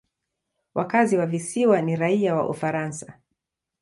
Wakazi wa visiwa ni raia wa Ufaransa.